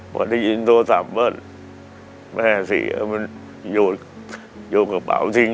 พอที่ยินโทรศัพท์มันแม่เสียมันอยู่กระเป๋าเจ็บ